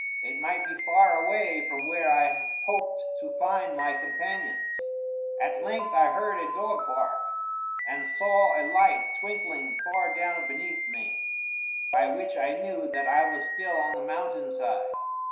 It might be far away from where I hoped to find my companions. At length I heard a dog bark, and saw a light twinkling far down beneath me, by which I knew that I was still on the mountain side.